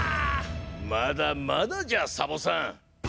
まだまだじゃサボさん。